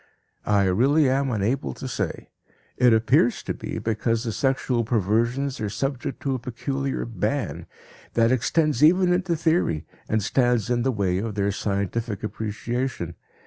I really am unable to say. It appears to be because the sexual perversions are subject to a peculiar ban that extends even into theory, and stands in the way of their scientific appreciation.